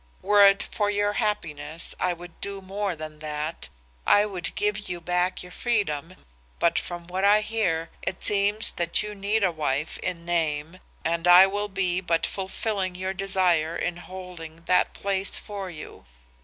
Were it for your happiness I would do more than that, I would give you back your freedom, but from what I hear, it seems that you need a wife in name and I will be but fulfilling your desire in holding that place for you.